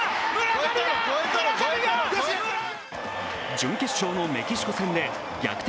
準決勝のメキシコ戦で逆転